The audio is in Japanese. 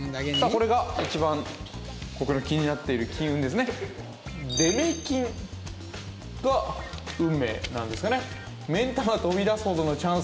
これが一番僕の気になっている金運ですねデメキンが運命なんですかね